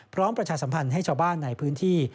ประชาสัมพันธ์ให้ชาวบ้านในพื้นที่